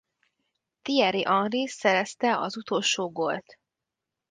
Thierry Henry szerezte az utolsó gólt.